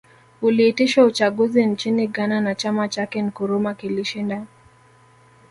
Uliitishwa uchaguzi nchini Ghana na chama chake Nkrumah kilishinda